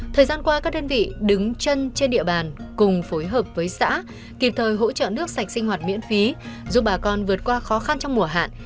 thời gian qua các đơn vị đứng chân trên địa bàn cùng phối hợp với xã kịp thời hỗ trợ nước sạch sinh hoạt miễn phí giúp bà con vượt qua khó khăn trong mùa hạn